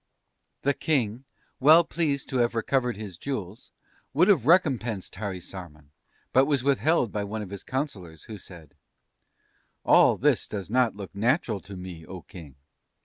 "The King, well pleased to have recovered his jewels, would have recompensed Harisarman, but was withheld by one of his Councillors, who said: "'All this does not look natural to me, oh, King.